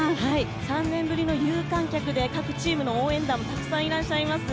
３年ぶりの有観客で、各チームの応援団もたくさんいらっしゃいます。